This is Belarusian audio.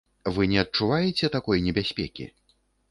Вы не адчуваеце такой небяспекі?